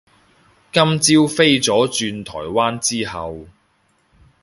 今朝飛咗轉台灣之後